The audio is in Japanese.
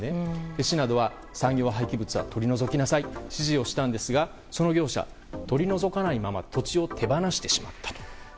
市などは産業廃棄物を取り除きなさいと指示をしたんですがその業者は取り除かないまま土地を手放してしまったと。